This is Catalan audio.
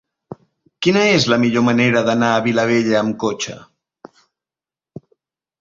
Quina és la millor manera d'anar a la Vilavella amb cotxe?